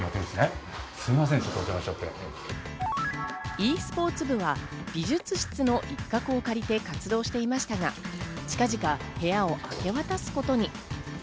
ｅスポーツ部は美術室の一角を借りて活動していましたが、近々部屋を明け渡すことに。